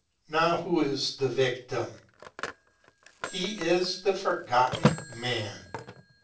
Now, who is the victim? He is the Forgotten Man.